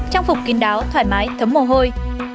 trang phục kinh đáo thoải mái thấm mồ hôi